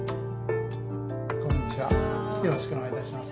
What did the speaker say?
こんにちはよろしくお願いいたします。